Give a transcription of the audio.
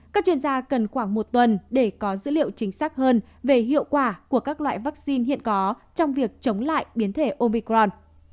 các chuyên gia cần khoảng một tuần để có dữ liệu chính xác hơn về hiệu quả của các loại vaccine hiện có trong việc chống lại biến thể obicron